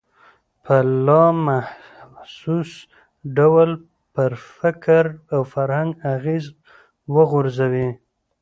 په لا محسوس ډول پر فکر او فرهنګ اغېز وغورځوي.